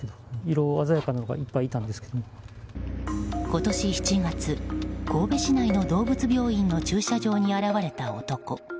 今年７月、神戸市内の動物病院の駐車場に現れた男。